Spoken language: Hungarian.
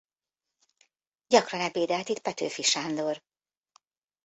Gyakran ebédelt itt Petőfi Sándor.